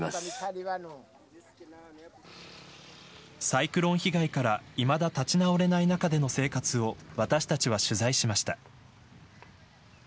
サイクロン被害からいまだ立ち直れない中での生活を私たちは取材しました。